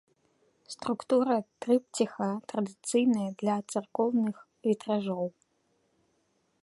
Структура трыпціха традыцыйная для царкоўных вітражоў.